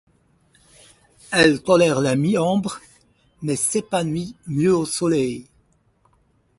Elle tolère la mi-ombre, mais s'épanouit mieux au soleil.